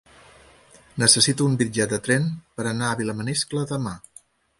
Necessito un bitllet de tren per anar a Vilamaniscle demà.